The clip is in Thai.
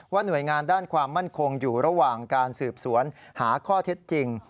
หน่วยงานด้านความมั่นคงอยู่ระหว่างการสืบสวนหาข้อเท็จจริง